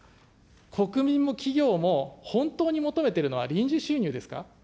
国民も企業も、本当に求めてるのは臨時収入ですか。